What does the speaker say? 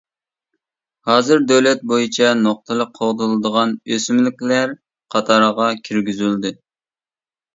ھازىر دۆلەت بويىچە نۇقتىلىق قوغدىلىدىغان ئۆسۈملۈكلەر قاتارىغا كىرگۈزۈلدى.